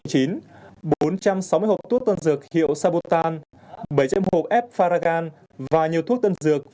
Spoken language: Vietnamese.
bốn trăm sáu mươi hộp thuốc tân dược hiệu sabotan bảy một hộp f faragan và nhiều thuốc tân dược